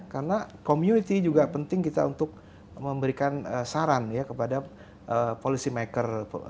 karena community juga penting kita untuk memberikan saran ya kepada policy maker